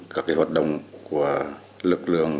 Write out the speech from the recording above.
các hoạt động của lực lượng